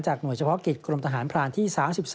จากหน่วยทหารพร้อมกลุ่มทหารพรานที่๓๓